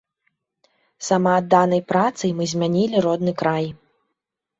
Самаадданай працай мы змянілі родны край.